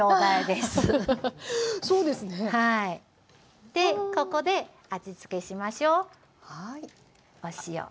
でここで味付けしましょう。